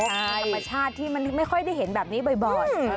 เป็นธรรมชาติที่มันไม่ค่อยได้เห็นแบบนี้บ่อย